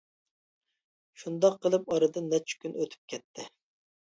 شۇنداق قىلىپ ئارىدىن نەچچە كۈن ئۆتۈپ كەتتى!